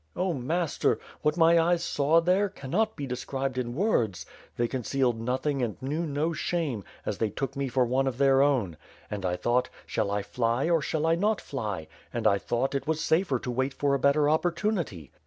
6h, master! What my eyes saw there, cannot be described in words. They con cealed nothing and knew no shame, as they took me for one of their own. And I thought, 'shall I fly or shall I not fly;' and I thought it was safer to wait for a better opportunity.